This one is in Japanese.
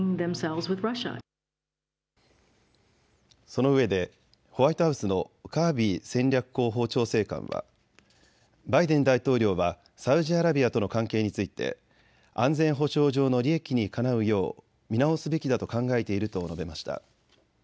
そのうえでホワイトハウスのカービー戦略広報調整官はバイデン大統領はサウジアラビアとの関係について安全保障上の利益にかなうよう見直すべきだと考えていると述べました。